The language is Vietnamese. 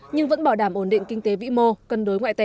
nhưng vẫn bảo đảm ổn định kinh tế vĩ mô cân đối ngoại tệ